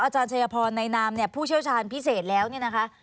อาจารย์ชัยพรในนามเนี่ยผู้เชี่ยวชาญพิเศษแล้วเนี่ยนะคะ